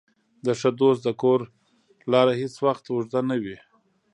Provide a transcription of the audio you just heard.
د ښه دوست د کور لاره هېڅ وخت اوږده نه وي.